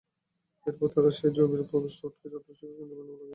এরপর তাঁরা সেই জমির প্রবেশ ফটকে ছাত্র-শিক্ষক কেন্দ্রের ব্যানার লাগিয়ে দেন।